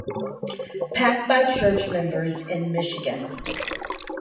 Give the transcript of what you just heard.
Pack by church members in Michigan.